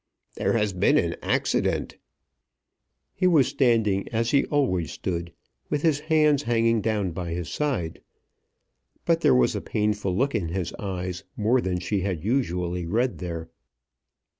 "There has been an accident." He was standing, as he always stood, with his hands hanging down by his side. But there was a painful look in his eyes more than she had usually read there.